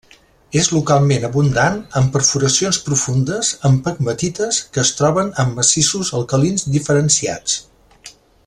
És localment abundant en perforacions profundes en pegmatites que es troben en massissos alcalins diferenciats.